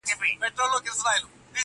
په توره شپه کي د رڼا د کاروان لاري څارم,